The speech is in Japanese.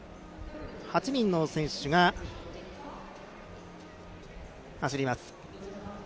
８人の選手が走ります。